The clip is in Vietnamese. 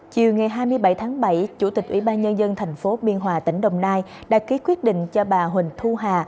chiều ngày hai mươi bảy tháng bảy chủ tịch ủy ban nhân dân tp biên hòa tỉnh đồng nai đã ký quyết định cho bà huỳnh thu hà